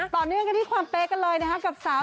ต่อเนื่องกันที่ความเป๊ะกันเลยนะค่ะ